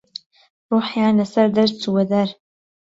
ڕوحيان له سهر دهچوه دهر